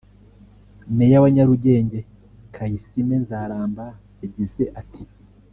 Meya wa Nyarugenge Kayisime Nzaramba yagize ati